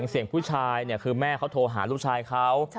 เสียงผู้ชายคือแม่เขาโทรหาลูกชายเขา